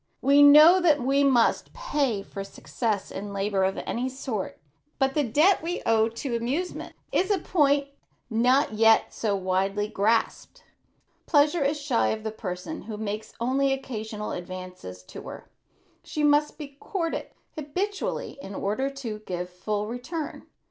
We know that we must pay for success in labor of any sort, but the debt we owe to amusement is a point not yet so widely grasped. Pleasure is shy of the person who makes only occasional advances to her. She must be courted habitually in order to give a full return.